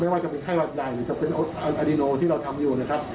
ว่าจะเป็นไข้หวัดใหญ่หรือจะเป็นอาดิโลที่เราทำอยู่นะครับ